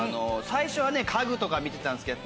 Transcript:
最初は家具とか見てたんですけど